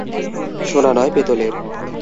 সোনা নয়, পেতলের।